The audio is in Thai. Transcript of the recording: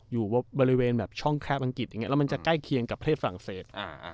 อยู่บริเวณแบบช่องแคบอังกฤษอย่างนี้แล้วมันจะใกล้เคียงกับประเทศฝรั่งเศส